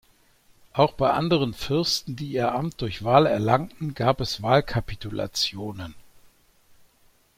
Auch bei anderen Fürsten, die ihr Amt durch Wahl erlangten, gab es Wahlkapitulationen.